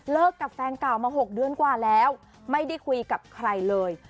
เลิกกับแฟนกล่าวมา๖เดือนแล้วแล้วไม่ได้คุยกับใครเลย